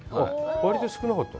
割と少なかった？